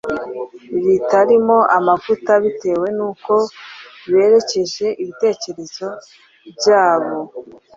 ritarimo amavuta bitewe n’uko berekeje ibitekerezo byabo